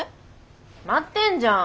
決まってんじゃん